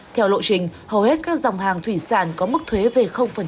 theo lộ trình hầu hết các dòng hàng thủy sản có mức thuế về